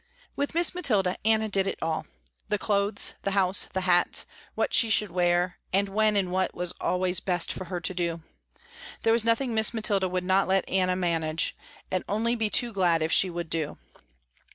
With Miss Mathilda Anna did it all. The clothes, the house, the hats, what she should wear and when and what was always best for her to do. There was nothing Miss Mathilda would not let Anna manage, and only be too glad if she would do.